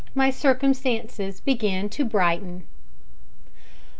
MY CIRCUMSTANCES BEGIN TO BRIGHTEN.